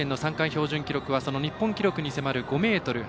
標準記録は日本記録に迫る５ｍ８０。